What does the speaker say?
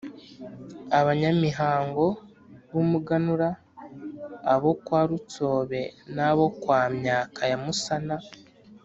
Abanyamihango b’umuganura; abo kwa Rutsobe n’abo kwa Myaka ya Musana.